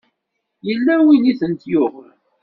Yella wi tent-yuɣen?